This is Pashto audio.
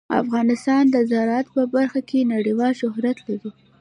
افغانستان د زراعت په برخه کې نړیوال شهرت لري.